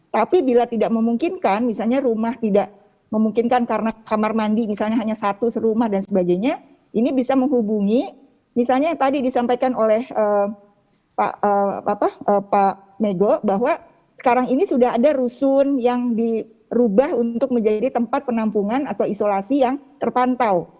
tapi bila tidak memungkinkan misalnya rumah tidak memungkinkan karena kamar mandi misalnya hanya satu serumah dan sebagainya ini bisa menghubungi misalnya tadi disampaikan oleh pak megho bahwa sekarang ini sudah ada rusun yang dirubah untuk menjadi tempat penampungan atau isolasi yang terpantau